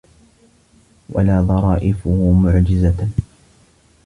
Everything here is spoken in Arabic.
وَلَا ظَرَائِفُهُ مُعْجِزَةً